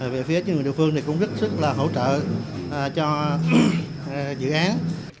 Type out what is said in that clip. về phía chứng minh đều phương thì cũng rất sức là hỗ trợ cho dự án